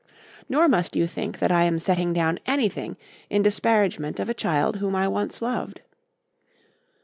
Nor must you think that I am setting down anything in disparagement of a child whom I once loved.